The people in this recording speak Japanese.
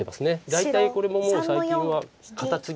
大体これももう最近はカタツギで。